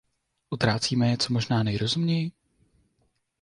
Utrácíme je co možná nejrozumněji?